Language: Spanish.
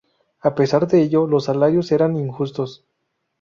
A pesar de ello, los salarios eran injustos.